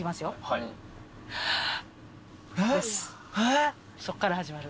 「ハー」そっから始まる。